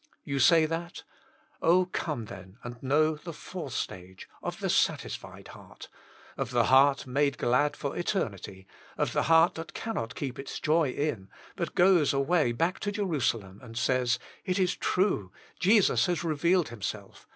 You say that ? Oh come then and know the fourth stage of Zhc 6ati0tleD beatt, of the heart made glad for eternity, of the heart that cannot keep its joy in, but goes away back to Jerusalem, and says, It is true. Jesus has revealed Himself.